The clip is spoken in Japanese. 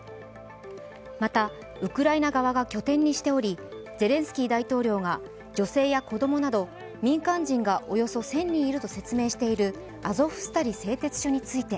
またウクライナ側が拠点にしており、ゼレンスキー大統領が女性や子供など民間人がおよそ１０００人いると説明しているアゾフスタリ製鉄所について